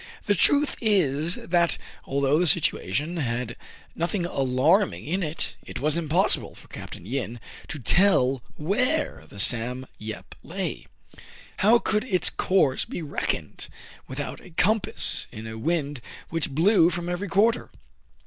The truth is, that, although the situation had CRAIG AND FRY VISIT THE HOLD, 203 nothing alarming in it, it was impossible for Capt. Yin to tell where the " Sam Yep '* lay. How could its course be reckoned without a compass in a wind which blew from every quarter